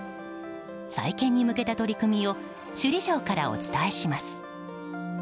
再建に向けた取り組みを首里城からお伝えします。